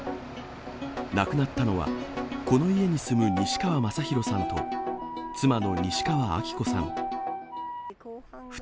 亡くなったのは、この家に住む西川政博さんと、妻の西川晃子さん。